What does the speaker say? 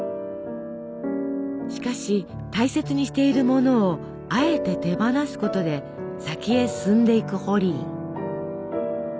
しかし大切にしているものをあえて手放すことで先へ進んでいくホリー。